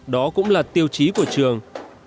đó cũng là tiêu chí của trường